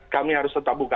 kami harus tetap buka